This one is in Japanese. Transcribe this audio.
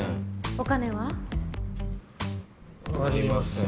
お金は？ありません。